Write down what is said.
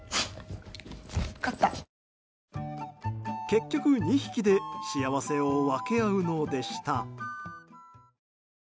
結局２匹で幸せを分け合うのでした。